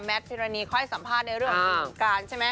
แมทฟิราณีเขาให้สัมภาษณ์ในเรื่องวงการใช่ไหม